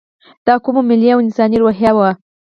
دا کومه ملي او انساني روحیه وه.